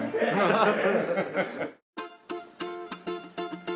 ハハハハ。